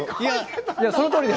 そのとおりです。